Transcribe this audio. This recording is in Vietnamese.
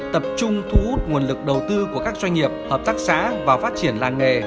tập trung thu hút nguồn lực đầu tư của các doanh nghiệp hợp tác xã vào phát triển làng nghề